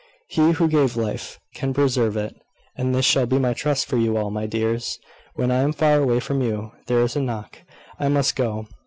He who gave life can preserve it: and this shall be my trust for you all, my dears, when I am far away from you. There is a knock! I must go.